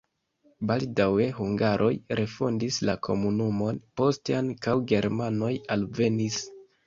Baldaŭe hungaroj refondis la komunumon, poste ankaŭ germanoj alvenis.